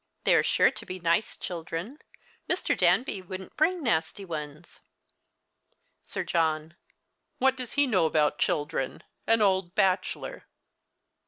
They are sure to be nice children. Mr. Danby Avouldn't bring nasty ones. Sir Johx. What does he know about children — an old bachelor